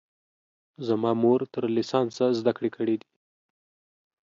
زما مور تر لیسانسه زده کړې کړي دي